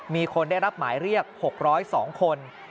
มีคนได้รับหมายเรียก๖๐๒คน